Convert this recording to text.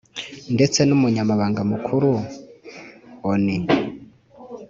ndetse n'umunyamabanga mukuru a onu